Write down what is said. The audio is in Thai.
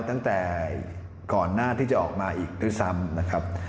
ตั้งแต่ก่อนหน้าที่จะออกมาอีกด้วยซ้ำนะครับ